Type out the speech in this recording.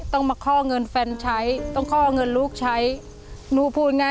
ต้องมาข้อเงินแฟนใช้ต้องข้อเงินลูกใช้หนูพูดง่าย